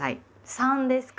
三ですか？